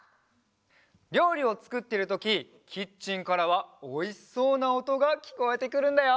りょうりをつくってるときキッチンからはおいしそうなおとがきこえてくるんだよ。